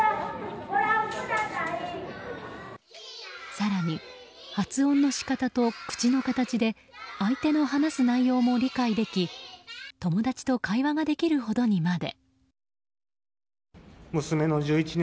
更に、発音の仕方と口の形で相手の話す内容も理解でき友達と会話ができるほどにまで。